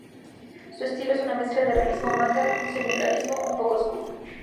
Su estilo es una mezcla de realismo y manga, un semi-realismo un poco oscuro.